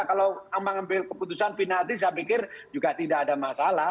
kalau mengambil keputusan penalti saya pikir juga tidak ada masalah